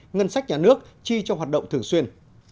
ngân sách nhà nước chi cho hoạt động thường xuyên